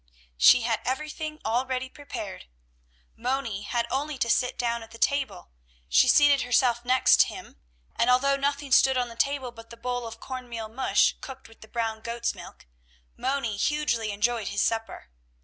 She had everything already prepared. Moni had only to sit down at the table; she seated herself next him, and although nothing stood on the table but the bowl of corn meal mush cooked with the brown goat's milk, Moni hugely enjoyed his supper.